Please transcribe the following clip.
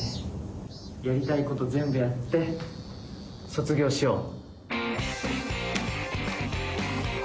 やりたいこと全部やって卒業しよう。